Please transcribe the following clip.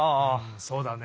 そうだね。